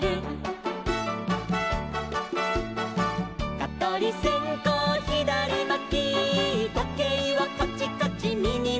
「かとりせんこうひだりまき」「とけいはカチカチみぎまきで」